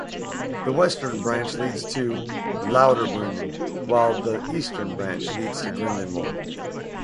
The western branch leads to Lauterbrunnen, while the eastern branch leads to Grindelwald.